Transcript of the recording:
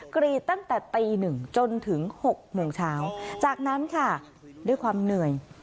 กรีดตั้งแต่ตีหนึ่งจนถึง๖โมงเช้าจากนั้นค่ะด้วยความเหนื่อย